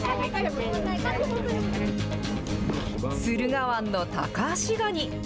駿河湾のタカアシガニ。